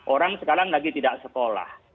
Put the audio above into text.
orang sekarang lagi tidak sekolah